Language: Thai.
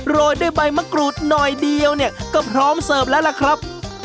โรยด้วยใบมะกรูดหน่อยเดียวเนี่ยก็พร้อมเสิร์ฟแล้วล่ะครับ